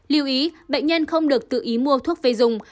lưu ý bệnh nhân không được tự ý mua thuốc về dùng